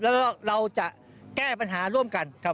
แล้วเราจะแก้ปัญหาร่วมกันครับ